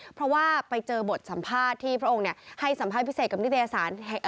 เพราะว่าไปเจอบทสัมภาษณ์ที่พระองค์ให้สัมภาษณ์พิเศษกับนิตยสาร